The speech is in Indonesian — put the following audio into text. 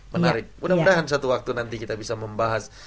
mudah mudahan suatu waktu nanti kita bisa membahas